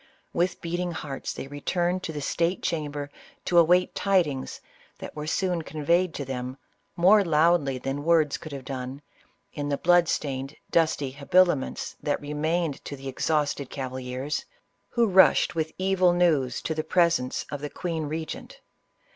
With beating hearts they returned to the state chamber to await tidings that were soon conveyed to them, more loudly than words could have done, in the blood stain ed, dusty habiliments that remained to the exhausted cavaliers, who rushed with evil news to the presence ISABELLA OF CASTILE. 95 of the queen regent.